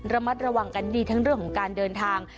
ระมัดระวังกันดีทั้งเรื่องของการเดินทาง